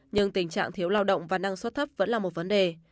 nhưng tình trạng thiếu lao động và năng suất thấp vẫn là một vấn đề